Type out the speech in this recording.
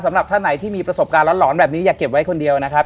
สำหรับท่านไหนที่มีประสบการณ์หลอนแบบนี้อย่าเก็บไว้คนเดียวนะครับ